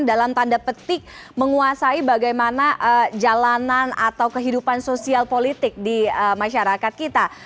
dalam tanda petik menguasai bagaimana jalanan atau kehidupan sosial politik di masyarakat kita